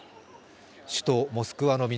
首都モスクワの南